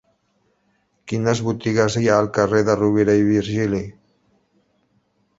Quines botigues hi ha al carrer de Rovira i Virgili?